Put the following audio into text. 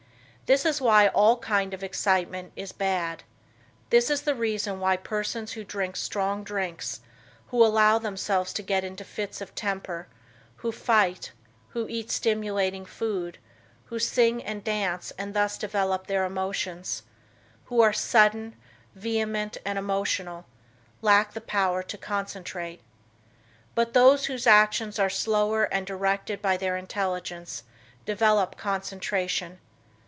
This is why all kind of excitement is bad. This is the reason why persons who drink strong drinks, who allow themselves to get into fits of temper, who fight, who eat stimulating food, who sing and dance and thus develop their emotions, who are sudden, vehement and emotional, lack the power to concentrate. But those whose actions are slower and directed by their intelligence develop concentration.